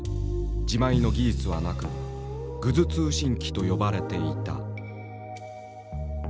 自前の技術はなく「グズ通信機」と呼ばれていた。